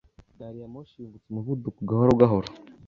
Gariyamoshi yungutse umuvuduko gahoro gahoro.